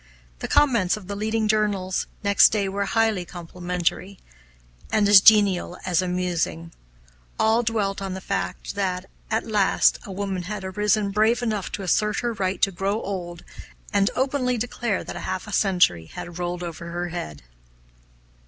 The comments of the leading journals, next day, were highly complimentary, and as genial as amusing. All dwelt on the fact that, at last, a woman had arisen brave enough to assert her right to grow old and openly declare that half a century had rolled over her head.